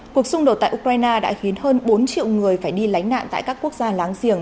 cuộc xung đột tại ukraine đã khiến hơn bốn triệu người phải đi lánh nạn tại các quốc gia láng giềng